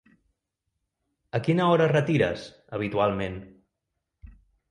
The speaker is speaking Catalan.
A quina hora retires, habitualment?